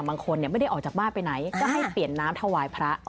บางคนไม่ได้ออกจากบ้านไปไหนก็ให้เปลี่ยนน้ำถวายพระ